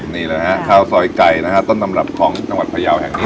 นี่แหละฮะข้าวซอยไก่นะฮะต้นตำรับของจังหวัดพยาวแห่งนี้